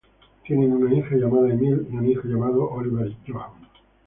Tienen una hija llamada Emilie y un hijo llamado Oliver Johan.